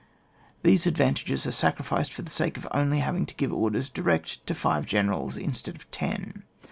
These advantages are sacrificed for the sake of having only to give orders direct to five generals instead of ten.